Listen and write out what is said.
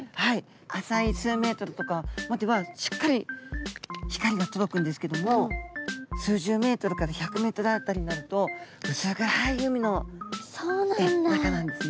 浅い数ｍとかまではしっかり光が届くんですけども数十ｍから１００ｍ辺りになると薄暗い海の中なんですね。